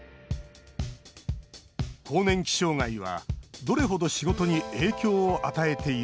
更年期障害は、どれほど仕事に影響を与えているのか。